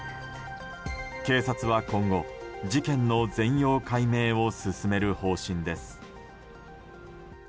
警察は今後、事件の全容解明を進める方針です。